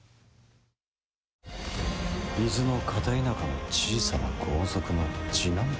伊豆の片田舎の小さな豪族の次男坊。